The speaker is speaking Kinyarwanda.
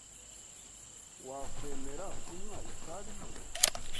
Wakwemera kunywa itabi hano?